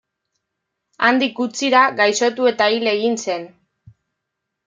Handik gutxira, gaixotu eta hil egin zen.